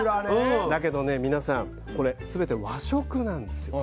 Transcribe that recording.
だけどね皆さんこれすべて和食なんですよ。